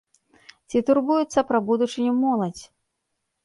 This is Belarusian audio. Ці турбуецца пра будучыню моладзь?